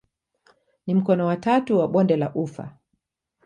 Ni mkono wa tatu wa bonde la ufa.